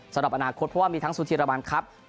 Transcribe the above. สำหรับอนาคตเพราะว่ามีทั้งซูธีรมันครับ